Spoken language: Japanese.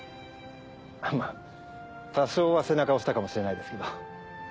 まぁ多少は背中押したかもしれないですけど。